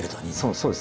そうです。